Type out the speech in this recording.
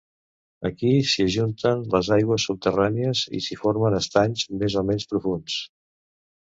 Aquí s'hi ajunten les aigües subterrànies, i s'hi formen estanys més o menys profunds.